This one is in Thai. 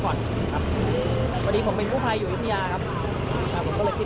กลับมาก็ยังอยู่สภาพเดิมครับแต่เก็ดไว้หลังอยู่